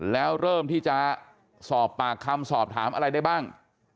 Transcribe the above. แล้วเริ่มที่จะสอบปากคำสอบถามอะไรได้บ้าง